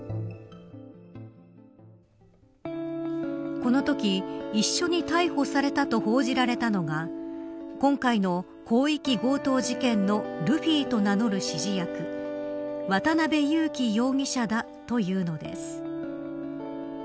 このとき、一緒に逮捕されたと報じられたのが今回の広域強盗事件のルフィと名乗る指示役渡辺優樹容疑者だというのです。